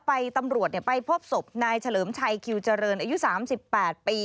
ตำรวจไปพบศพนายเฉลิมชัยคิวเจริญอายุ๓๘ปี